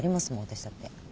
私だって。